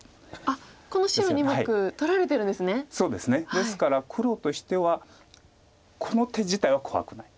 ですから黒としてはこの手自体は怖くない。